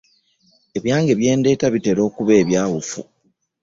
Ebyange bye ndeeta bitera okuba ebyawufu.